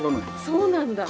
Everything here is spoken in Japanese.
そうなんだ。